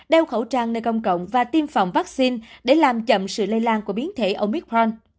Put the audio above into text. đeo khẩu trang nơi công cộng và tiêm phòng vaccine để làm chậm sự lây lan của biến thể omithron